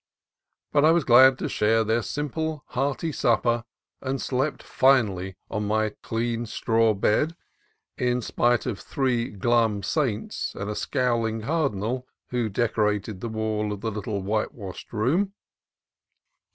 But I was glad to share their simple, hearty supper, and slept finely on my clean straw bed, in spite of three glum saints and a scowl ing cardinal who decorated the walls of the little whitewashed room.